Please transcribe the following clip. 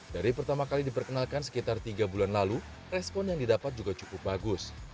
dari pertama kali diperkenalkan sekitar tiga bulan lalu respon yang didapat juga cukup bagus